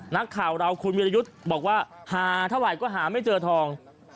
นักข่าวเราคุณวิรยุทธ์บอกว่าหาเท่าไหร่ก็หาไม่เจอทอง